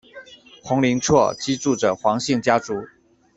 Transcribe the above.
宏琳厝居住着黄姓家族。